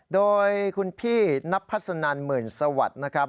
โดยคุณพี่นับพัฒนันหมื่นสวัสดิ์นะครับ